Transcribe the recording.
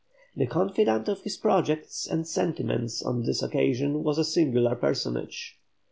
The confidant of his projects and sentiments on this occasion was a singular personage.